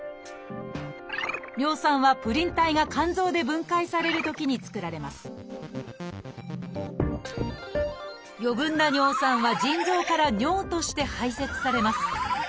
尿酸は「プリン体」が肝臓で分解されるときに作られます余分な尿酸は腎臓から尿として排せつされます